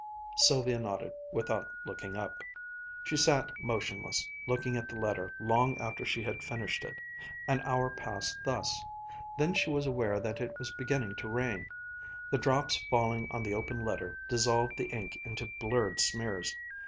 Sylvia nodded without looking up. She sat motionless, looking at the letter long after she had finished it. An hour passed thus. Then she was aware that it was beginning to rain. The drops falling on the open letter dissolved the ink into blurred smears.